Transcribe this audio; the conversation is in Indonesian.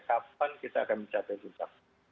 kapan kita akan mencapai puncak